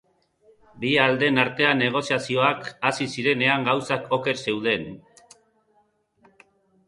Bi aldeen artean negoziazioak hasi zirenean gauzak oker zeuden.